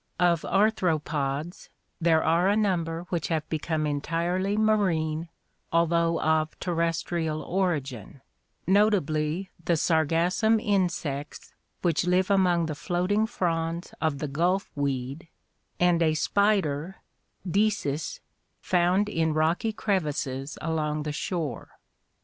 Of arthropods, there are a number which have become entirely marine, although of terrestrial origin, notably the sargassum insects which live among the floating fronds of the gulf weed and a spider (Desis) found in rocky crevices along the shore.